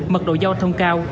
mật độ giao thông cao